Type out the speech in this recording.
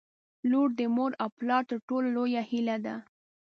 • لور د مور او پلار تر ټولو لویه هیله ده.